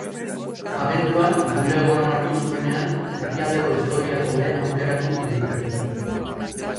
Abenduan bulegoan hartu zuenean, herrialdeko historiako lehen aukeratu libreki.